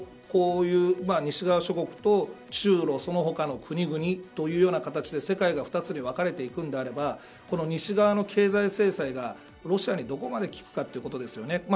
こういう西側諸国と中ロ、その他の国々という形で世界が２つに分かれていくんであればこの西側の経済制裁がロシアにどこまで効くかということですよね。